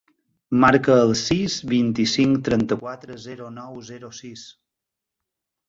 Marca el sis, vint-i-cinc, trenta-quatre, zero, nou, zero, sis.